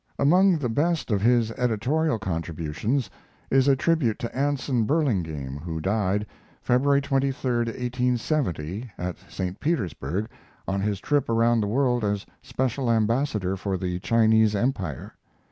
Among the best of his editorial contributions is a tribute to Anson Burlingame, who died February 23, 1870, at St. Petersburg, on his trip around the world as special ambassador for the Chinese Empire.